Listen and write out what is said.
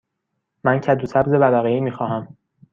من کدو سبز ورقه ای می خواهم.